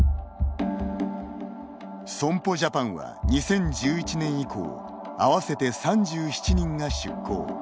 損保ジャパンは、２０１１年以降合わせて３７人が出向。